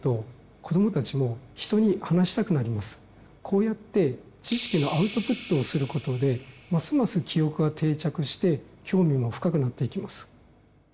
こうやって知識のアウトプットをすることでますます記憶が定着して興味も深くなっていきます。